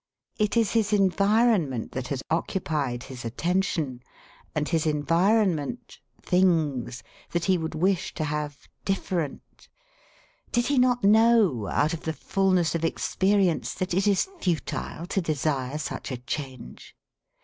It is his environment that has occupied his attention, and his environment 'things' that he would wish to have 'different,' did he not know, out of the fulness of experience, that it is futile to desire such a change?